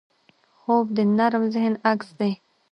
خوب د نرم ذهن عکس دی